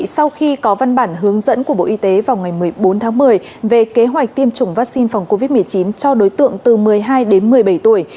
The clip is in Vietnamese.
sau khi có văn bản hướng dẫn của bộ y tế vào ngày một mươi bốn tháng một mươi về kế hoạch tiêm chủng vaccine phòng covid một mươi chín cho đối tượng từ một mươi hai đến một mươi bảy tuổi